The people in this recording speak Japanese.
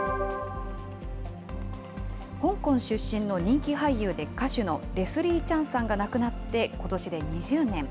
香港出身の人気俳優で歌手のレスリー・チャンさんが亡くなってことしで２０年。